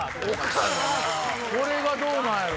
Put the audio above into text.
これがどうなんやろ？